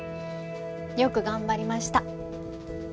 よく頑張りました。